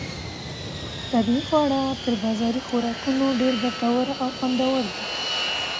طبیعي خواړه تر بازاري خوراکونو ډېر ګټور او خوندور دي.